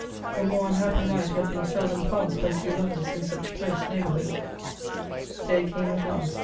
A more unhappy night had been seldom passed by two lovers in such close neighborhood !* Day came at last.